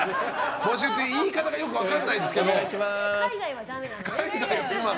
言い方がよく分からないんですけど。